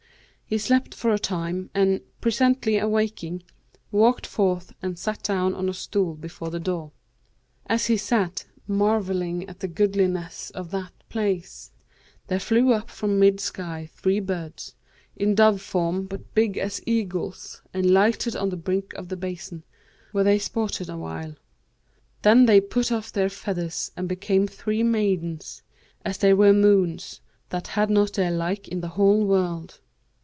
He slept for a time and, presently awaking, walked forth and sat down on a stool before the door. As he sat, marvelling at the goodliness of that place, there flew up from mid sky three birds, in dove form but big as eagles, and lighted on the brink of the basin, where they sported awhile. Then they put off their feathers and became three maidens,[FN#546] as they were moons, that had not their like in the whole world.